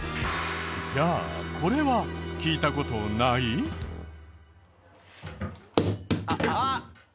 じゃあこれは聞いた事ない？あっ！